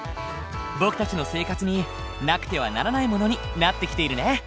僕たちの生活になくてはならないものになってきているね。